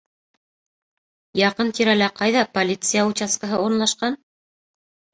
Яҡын тирәлә ҡайҙа полиция участкаһы урынлашҡан?